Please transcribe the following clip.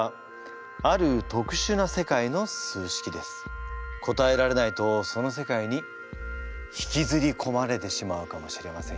これは答えられないとその世界に引きずりこまれてしまうかもしれませんよ。